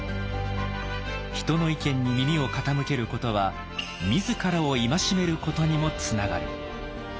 人の意見に耳を傾けることは自らを戒めることにもつながる。